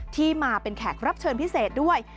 ที่มาเป็นแขกรับเชิญพิเศษด้วย